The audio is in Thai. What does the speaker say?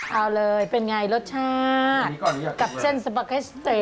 เอาเลยเป็นยังไงรสชาติกับเส้นสับหกเฮสเตร